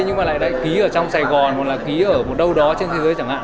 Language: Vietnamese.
nhưng mà lại ký ở trong sài gòn hoặc là ký ở một đâu đó trên thế giới chẳng hạn